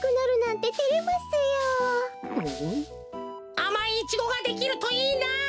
あまいイチゴができるといいな。